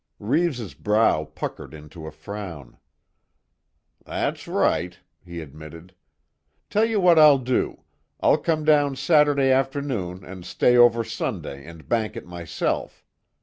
Reeves' brow puckered into a frown: "That's right," he admitted, "Tell you what I'll do, I'll come down Saturday afternoon and stay over Sunday and bank it myself.